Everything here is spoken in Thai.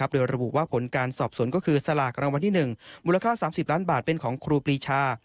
โดยระบุว่าผลการสอบสวนก็คือสลากรางวัลที่๑มูลค่า๓๐ล้านบาทเป็นของครูปรีชา